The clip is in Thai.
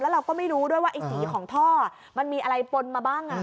เราก็ไม่รู้ด้วยว่าไอ้สีของท่อมันมีอะไรปนมาบ้าง